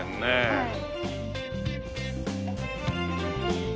はい。